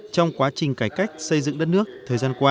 trong quá trình cải cách xây dựng đất nước thời gian qua